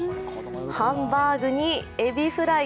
ハンバーグにエビフライ。